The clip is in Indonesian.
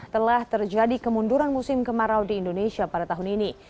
telah terjadi kemunduran musim kemarau di indonesia pada tahun ini